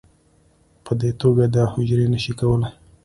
په دې توګه دا حجرې نه شي کولی